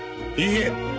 いいえ！